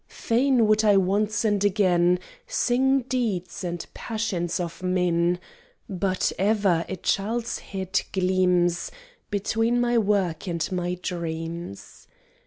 Fain would I once and again Sing deeds and passions of men: But ever a child's head gleams Between my work and my dreams.